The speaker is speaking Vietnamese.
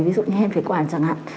ví dụ như hèn phế quản chẳng hạn